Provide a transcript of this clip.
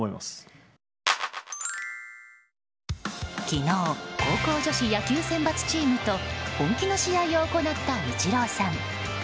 昨日高校女子野球選抜チームと本気の試合を行ったイチローさん。